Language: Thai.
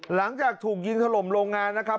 หลังจากถูกยิงถล่มโรงงานนะครับ